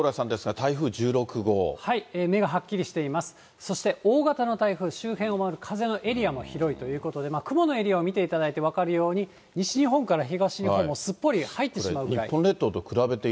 そして大型の台風、周辺を回る風のエリアも広いということで、雲のエリアを見ていただいて分かるように、西日本から東日本がすっぽり入ってしまうぐらい。